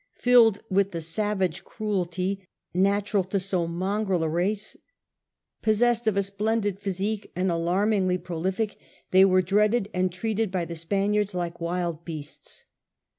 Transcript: Filled with the savage cruelty natural to so mongrel a race, possessed of a splendid physique, and alarmiBgly prolific, they were dreaded and treated by the Spaniards like wild beasts.